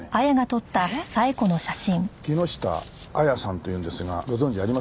木下亜矢さんというんですがご存じありませんか？